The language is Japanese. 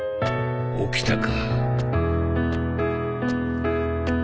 起きたか。